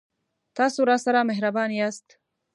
تاسو راسره مهربان یاست